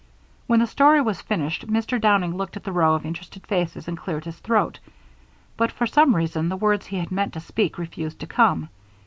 When the story was finished, Mr. Downing looked at the row of interested faces and cleared his throat; but, for some reason, the words he had meant to speak refused to come.